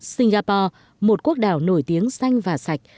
singapore một quốc đảo nổi tiếng xanh và sạch